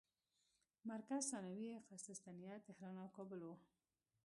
مرکز ثانوي یې قسطنطنیه، طهران او کابل وو.